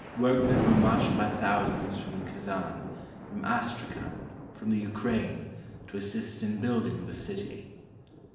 Workmen were marched by thousands from Kazan, from Astrakhan, from the Ukraine, to assist in building the city.